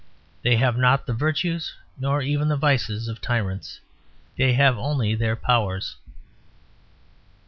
They have not the virtues nor even the vices of tyrants; they have only their powers.